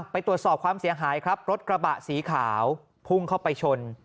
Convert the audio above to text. ไปตรวจสอบความเสียหายครับรถกระบะสีขาวพุ่งเข้าไปชน